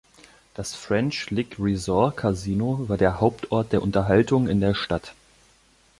Das French Lick Resort Casino war der Hauptort der Unterhaltung in der Stadt.